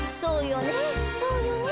そうよね。